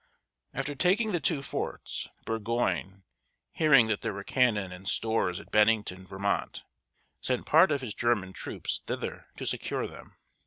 After taking the two forts, Burgoyne, hearing that there were cannon and stores at Ben´ning ton, Vermont, sent part of his German troops thither to secure them.